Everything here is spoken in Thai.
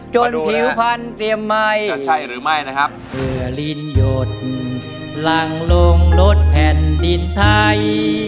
ผิวพันเตรียมไมค์จะใช่หรือไม่นะครับเพื่อลิ้นหยดหลังลงรถแผ่นดินไทย